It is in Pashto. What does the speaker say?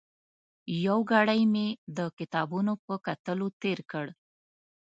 یو ګړی مې د کتابونو په کتلو تېر کړ.